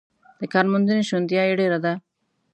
د کارموندنې شونتیا یې ډېره ده.